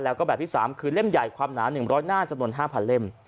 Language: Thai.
แล้วก็แบบที่สามคือเล่มใหญ่ความหนาหนึ่งร้อยหน้าจำนวนห้าพันเล่ม